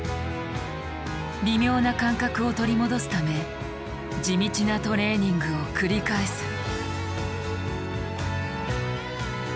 微妙な感覚を取り戻すため地道なトレーニングを繰り返す。